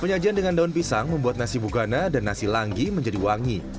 penyajian dengan daun pisang membuat nasi bogana dan nasi langgi menjadi wangi